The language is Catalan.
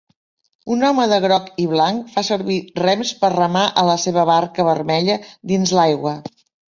Un home de groc i blanc fa servir rems per remar a la seva barca vermella dins l'aigua.